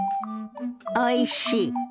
おいしい。